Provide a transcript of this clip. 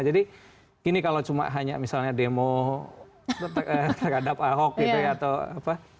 jadi ini kalau cuma hanya misalnya demo terhadap ahok gitu ya atau apa